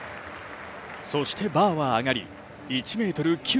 そしてバーは上がり、１ｍ９８ｃｍ。